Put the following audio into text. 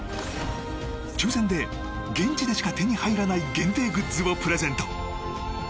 抽選で現地でしか手に入らない限定グッズをプレゼント。